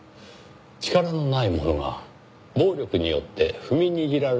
力のない者が暴力によって踏みにじられないようにと。